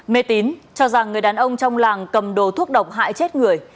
mê tín cho rằng người đàn ông trong làng cầm đồ thuốc độc hại chết người